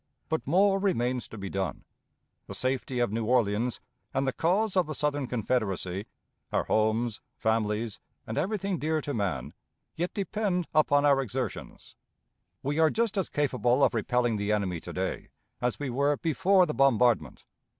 But more remains to be done. The safety of New Orleans and the cause of the Southern Confederacy our homes, families, and everything dear to man yet depend upon our exertions. We are just as capable of repelling the enemy to day as we were before the bombardment.